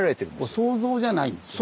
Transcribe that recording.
想像じゃないんですよね。